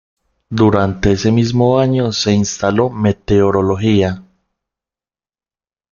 Durante ese mismo año se instaló Meteorología.